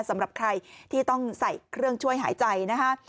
สำหรับใครที่ต้องใส่เครื่องช่วยหายใจนะคะ